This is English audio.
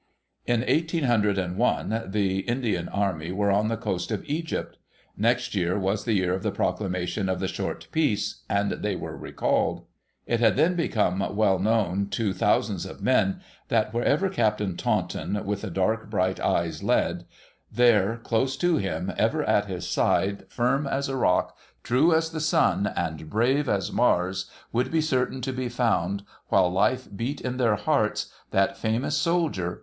In eighteen hundred and one, the Indian army were on the coast of Egypt, Next year was the year of the proclamation of the short peace, and they were recalled. It had then become well known to thousands of men, that wherever Captain Taunton, with the dark, bright eyes, led, there, close to him, ever at his side, firm as a rock, true as the sun, and brave as Mars, would be certain to be found, while life beat in their hearts, that famous soldier.